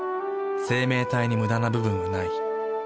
生命体にムダな部分はない。